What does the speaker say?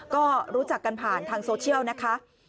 ก็รู้จักกันผ่านทางโซเชียลนะคะ